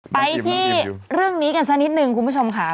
ไปที่เรื่องนี้กันสักนิดนึงคุณผู้ชมค่ะ